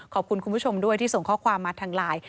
คุณผู้ชมด้วยที่ส่งข้อความมาทางไลน์